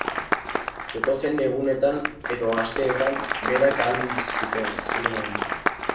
Zetozen egunetan edo asteetan, berak ahal zuenean.